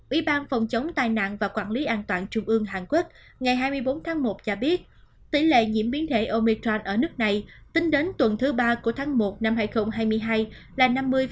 ủy ban phòng chống tai nạn và quản lý an toàn trung ương hàn quốc ngày hai mươi bốn tháng một cho biết tỷ lệ nhiễm biến thể omitrand ở nước này tính đến tuần thứ ba của tháng một năm hai nghìn hai mươi hai là năm mươi